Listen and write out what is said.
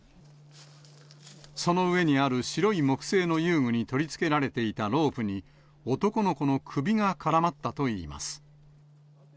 その上にある白い木製の遊具に取り付けられていたロープに、男の子の首が絡まったといいます。